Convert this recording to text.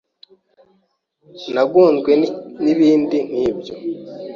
nagonzwe n’ibindi nk’ibyo